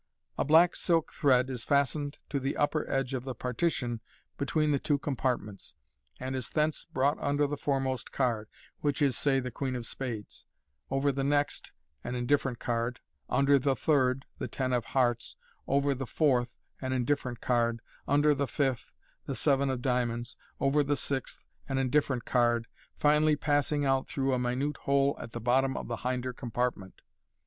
A black silk thread is fastened to the upper edge of the partition between the two compartments, and is thence brought under the foremost card (which is, say, the queen of spades), over the next (an indifferent card), under the third (the ten of hearts), over the fourth (an indifferent card), under the fifth (the seven of dia monds), over the sixth (an indifferent card), finally passing out through a minute hole at the bottom of the hinder compartment.